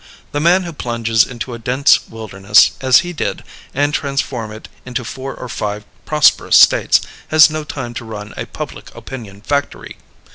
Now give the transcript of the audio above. The man who plunges into a dense wilderness, as he did, and transforms it into four or five prosperous States, has no time to run a public opinion factory.